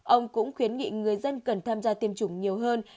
ông cũng khuyến nghị người dân cần tham gia tiêm chủng nhiều hơn